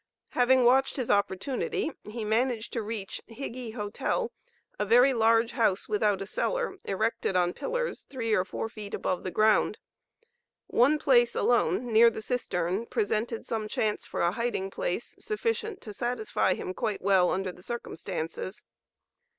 Having watched his opportunity, he managed to reach Higee hotel, a very large house without a cellar, erected on pillars three or four feet above the ground. One place alone, near the cistern, presented some chance for a hiding place, sufficient to satisfy him quite well under the circumstances.